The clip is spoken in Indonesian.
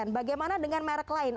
bagaimana dengan merek lain